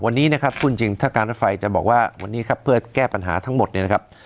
วันนี้นะครับพูดจริงถ้าการรถไฟจะบอกว่าวันนี้ครับเพื่อแก้ปัญหาทั้งหมดเนี่ยนะครับ